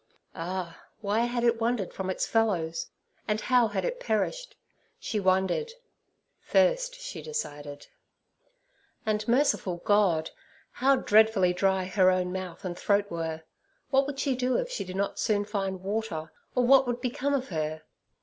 Ah! why had it wandered from its fellows, and how had it perished? she wondered. Thirst, she decided. And, merciful God! how dreadfully dry her own mouth and throat were! What would she do if she did not soon find water, or what would become of her?